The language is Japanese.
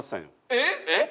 えっ！